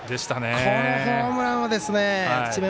このホームランは智弁